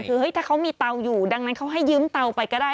คือเฮ้ยถ้าเขามีเตาอยู่ดังนั้นเขาให้ยืมเตาไปก็ได้